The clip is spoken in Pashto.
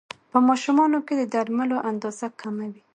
په ماشومانو کې د درملو اندازه کمه وي.